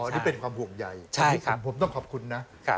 นี่เป็นความห่วงใหญ่ผมต้องขอบคุณนะ